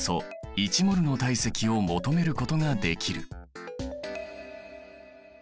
１ｍｏｌの体積を求めることができる。